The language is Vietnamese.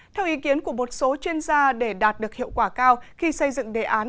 theo ý kiến của một số chuyên gia để đạt được hiệu quả cao khi xây dựng đề án